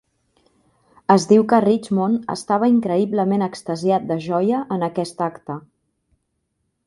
Es diu que Richmond estava "increïblement extasiat de joia" en aquest acte.